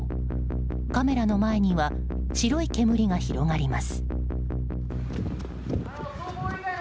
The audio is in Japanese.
カメラの前には白い煙が広がります。